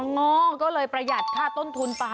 ง่อก็เลยประหยัดค่าต้นทุนไป